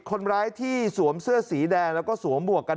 คนร้ายที่สวมเสื้อสีแดงแล้วก็สวมหมวกกัน